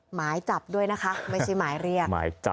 หมายจับด้วยนะคะไม่ใช่หมายเรียก